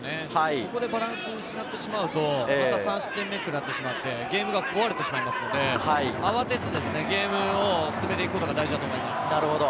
ここでバランスを失ってしまうと、また３失点目をくらってしまってゲームが壊れてしまいますので、慌てずゲームを進めていくことが大事だと思います。